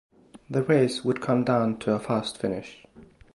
The race would come down to a fast finish.